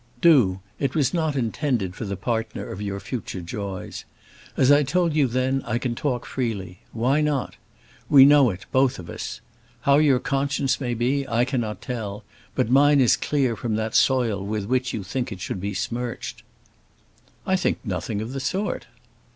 "Do. It was not intended for the partner of your future joys. As I told you then, I can talk freely. Why not? We know it, both of us. How your conscience may be I cannot tell; but mine is clear from that soil with which you think it should be smirched." "I think nothing of the sort."